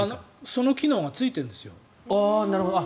その機能がついてるんですよ。